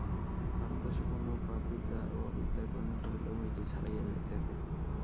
ভারতবর্ষে পুণ্য ও পাপ বিদ্যা ও অবিদ্যায় পরিণত হইল, উভয়কেই ছাড়াইয়া যাইতে হইবে।